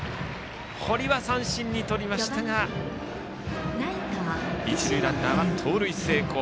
堀は三振にとりましたが一塁ランナーは盗塁成功。